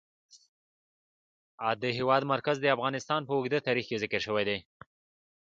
د هېواد مرکز د افغانستان په اوږده تاریخ کې ذکر شوی دی.